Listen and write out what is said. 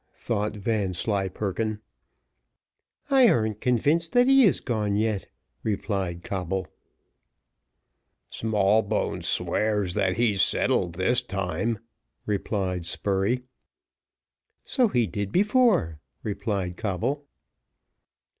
"Hoh! hoh!" thought Vanslyperken. "I arn't convinced that he is gone yet," replied Coble. "Smallbones swears that he's settled, this time," replied Spurey. "So he did before," replied Coble.